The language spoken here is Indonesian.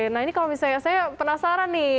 nah ini kalau misalnya saya penasaran nih